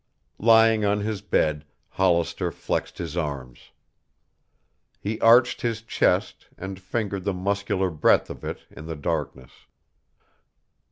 Lying on his bed, Hollister flexed his arms. He arched his chest and fingered the muscular breadth of it in the darkness.